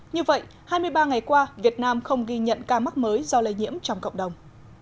như vậy hai mươi ba ngày qua việt nam không ghi nhận ca mắc mới do lây nhiễm trong cộng đồng